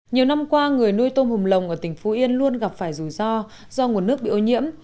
nhiều năm qua người nuôi tôm hùm lồng ở tỉnh phú yên luôn gặp phải rủi ro do nguồn nước bị ô nhiễm